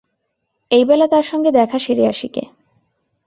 এই বেলা তাঁর সঙ্গে দেখা সেরে আসি গে।